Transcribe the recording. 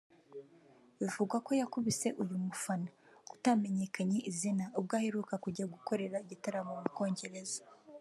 bivugwa ko yakubise uyu mufana utamenyekanye izina ubwo aheruka kujya gukorera igitaramo mu Bwongereza